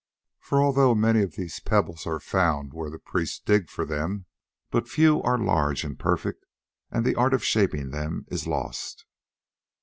For although many of these pebbles are found where the priests dig for them, but few are large and perfect, and the art of shaping them is lost."